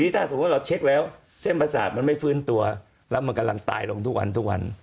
ถ้าสมมุติเราเช็คแล้วเส้นประสาทมันไม่ฟื้นตัวแล้วมันกำลังตายลงทุกวันทุกวัน